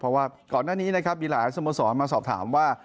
เพราะว่าก่อนหน้านี้นะครับมีหลายสโมสรมาสอบถามว่า